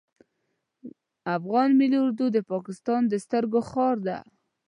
افغان ملی اردو د پاکستان د سترګو خار ده